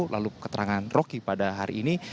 lalu keterangan roky pada hari ini